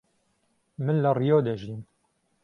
من لە ڕیۆ دەژیم.